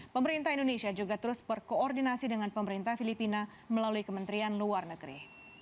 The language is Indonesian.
pemerintah indonesia juga terus berkoordinasi dengan pemerintah filipina melalui kementerian luar negeri